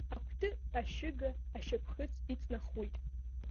Акәты ашьыга ашьапхыц иҵнахуеит.